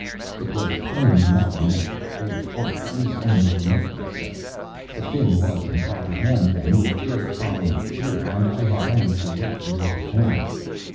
It was plainly not a medical affair, or at least only remotely so. The thing was in proper hands, then, with Drake following it through. And I had only to wait for his return.